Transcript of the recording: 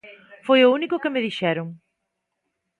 Foi o único que me dixeron.